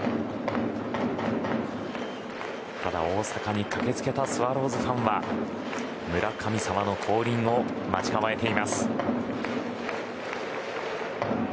ただ、大阪に駆け付けたスワローズファンは村神様の降臨を待ち構えています。